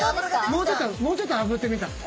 もうちょっともうちょっとあぶってみたら？